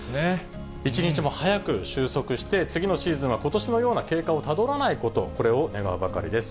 一日も早く収束して、次のシーズンはことしのような経過をたどらないこと、これを願うばかりです。